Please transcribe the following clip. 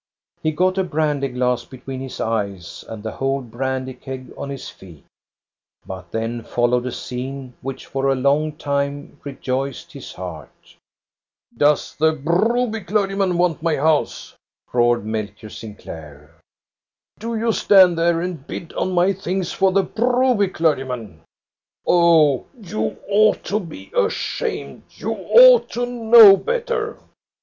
He got a brandy glass between his eyes and the whole brandy keg on his feet. But then followed a scene which for a long time rejoiced his heart. ''Poes the Broby clergyman want my house?" 152 THE STORY OF GOSTA BERUNG roared Melchior Sinclair. Do you stand there and bid on my things for the Broby clergyman? Oh, you ought to be ashamed ! You ought to know better